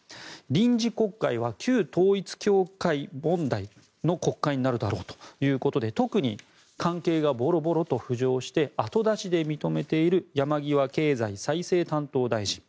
臨時国会は、旧統一教会問題の国会になるだろうということで特に、関係がボロボロと浮上して後出しで認めている山際経済再生担当大臣。